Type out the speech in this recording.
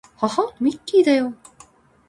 はは、ミッキーだよ